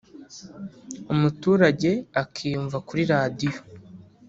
umuturage akiyumva kuri radiyo